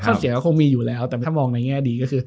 เสียก็คงมีอยู่แล้วแต่ถ้ามองในแง่ดีก็คือ